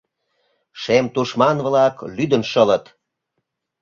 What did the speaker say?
Шем тушман-влак лӱдын шылыт.